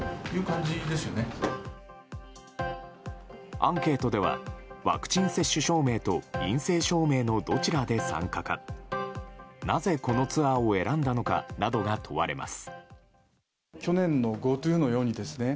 アンケートではワクチン接種証明と陰性証明のどちらで参加かなぜ、このツアーを選んだのかなどが問われます。